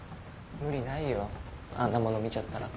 無理ないよあんなもの見ちゃったら。